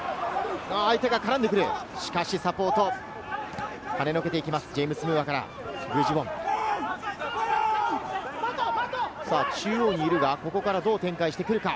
相手が絡んでくる、しかしサポート、はねのけていきます、ジェームス・ムーアから具智元、中央にいるが、ここからどう展開してくるか？